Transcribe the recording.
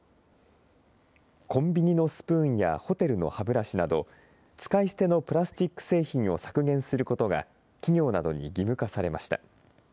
コンビニのスプーンやホテルの歯ブラシなど、使い捨てのプラスチック製品を削減することが企業などに義務化されました。